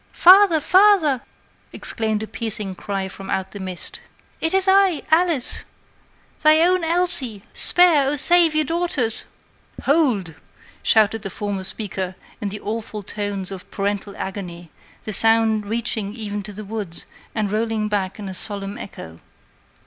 "'Father? father!' exclaimed a piercing cry from out the mist; 'it is I! Alice! thy own Elsie! spare, O! save your daughters!' "'Hold!' shouted the former speaker, in the awful tones of parental agony, the sound reaching even to the woods, and rolling back in solemn echo.